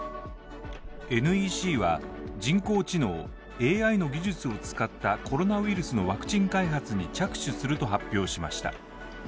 ＮＥＣは、人工知能＝ＡＩの技術を使ったコロナウイルスのワクチン開発に着手すると発表しました。